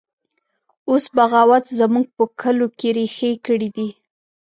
اوس بغاوت زموږ په کلو کې ریښې کړي دی